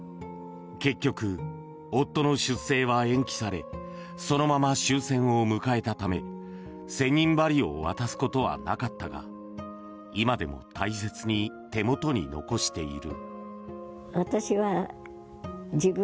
結局、夫の出征は延期されそのまま終戦を迎えたため千人針を渡すことはなかったが今でも大切に手元に残している。